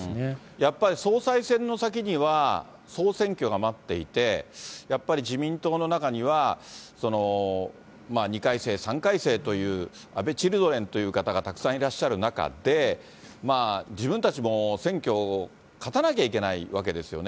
やっぱり、総裁選の先には総選挙が待っていて、やっぱり、自民党の中には、２回生、３回生という、安倍チルドレンという方がたくさんいらっしゃる中で、自分たちも選挙、勝たなきゃいけないわけですよね。